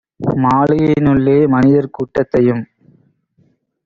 மாளிகையி னுள்ளே மனிதர் கூட்டத்தையும்